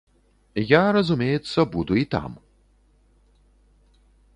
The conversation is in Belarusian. Я, разумеецца, буду і там.